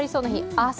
明日